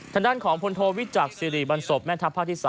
ทางด้านของพลโทวิจักษ์สิริบันศพแม่ทัพภาคที่๓